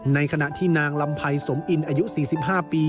ในขณะที่นางลำไพรสมอินอายุ๔๕ปี